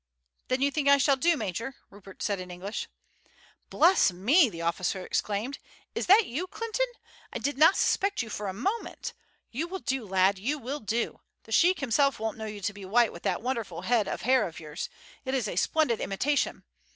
"Then you think I shall do, major?" Rupert said in English. "Bless me!" the officer exclaimed; "is it you, Clinton? I did not suspect you for a moment. You will do, lad, you will do. The sheik himself won't know you to be white with that wonderful head of hair of yours. It is a splendid imitation.